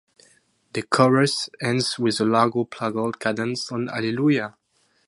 The chorus ends with a largo plagal cadence on "Alleluia".